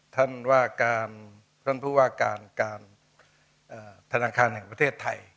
ท่านผู้ว่าการการธนาคารแห่งประเทศไทย